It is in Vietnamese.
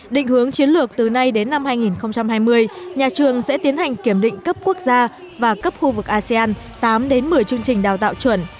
định hướng chiến lược từ nay đến năm hai nghìn hai mươi nhà trường sẽ tiến hành kiểm định cấp quốc gia và cấp khu vực asean tám một mươi chương trình đào tạo chuẩn